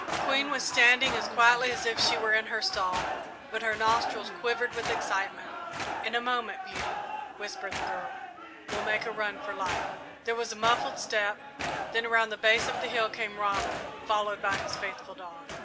Queen was standing as quietly as if she were in her stall, but her nostrils quivered with excitement. "In a moment, Beauty," whispered the girl, "we'll make a run for life." There was a muffled step, then around the base of the hill came Ronald, followed by his faithful dog.